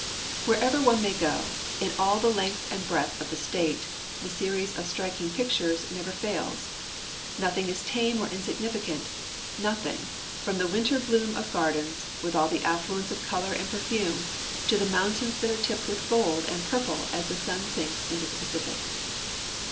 Wherever one may go, in all the length and breadth of the state, the series of striking pictures never fails. Nothing is tame or insignificant ; nothing, from the winter bloom of gardens, with all the affluence of color and })erfume, to the mountains that are tipped with gold and purple as the sun sinks into the Pacific.